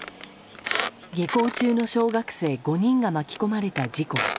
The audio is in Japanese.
下校中の小学生５人が巻き込まれた事故。